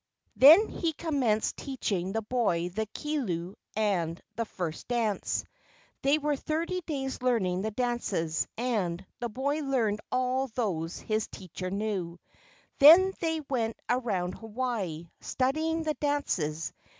Then he commenced teaching the boy the kilu and the first dance. They were thirty days learning the dances, and the boy learned all those his teachers knew. Then they went around Hawaii, studying the dances.